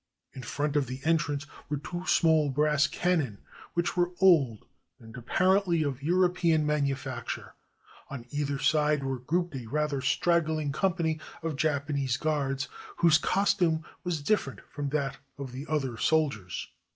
In front of the entrance were two small brass cannon which were old and apparently of European manufacture; on either side were grouped a rather stragghng company of Jap anese guards, whose costume was different from that of the other soldiers.